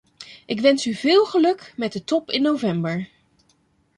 Ik wens u veel geluk met de top in november!